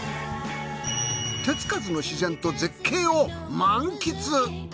手つかずの自然と絶景を満喫。